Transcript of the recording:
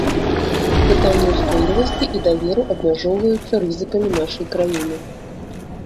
Пытанне ўстойлівасці і даверу абмяжоўваюцца рызыкамі нашай краіны.